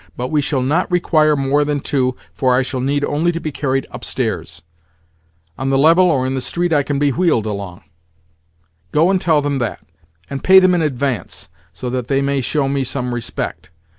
But we shall not require more than two, for I shall need only to be carried upstairs. On the level or in the street I can be wheeled along. Go and tell them that, and pay them in advance, so that they may show me some respect.